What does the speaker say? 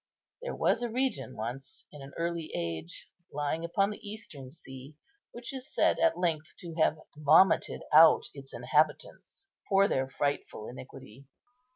There was a region once, in an early age, lying upon the Eastern Sea, which is said at length to have vomited out its inhabitants for their frightful iniquity.